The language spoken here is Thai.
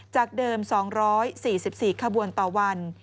จากเดิม๒๔๔ขบวนต่อวัน